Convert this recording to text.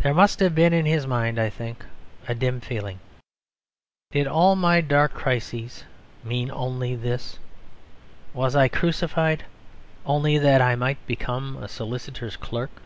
There must have been in his mind, I think, a dim feeling: "Did all my dark crises mean only this; was I crucified only that I might become a solicitor's clerk?"